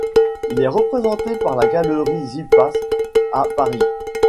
Il est représenté par la galerie Xippas à Paris.